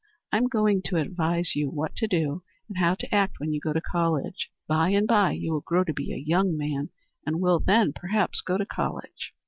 I am going to advise you what to do and how to act when you go to college. By and by you will grow to be a young man, and will then, perhaps, go to college."